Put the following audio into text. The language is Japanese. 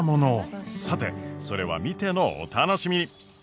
さてそれは見てのお楽しみ。